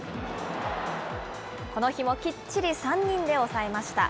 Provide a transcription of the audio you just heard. この日もきっちり３人で抑えました。